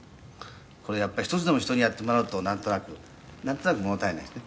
これやっぱり１つでも人にやってもらうとなんとなくなんとなく物足りないんですね」